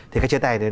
thì các chế tài này